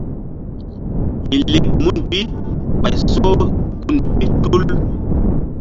Mi lek mun bi ɓay so gun bi tul.